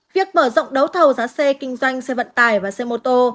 việc bở rộng đấu thầu giá xe kinh doanh xe vận tải và xe ô tô